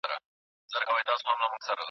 دا علم زموږ لپاره خورا مهم دی.